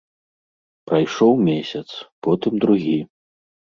Прайшоў месяц, потым другі.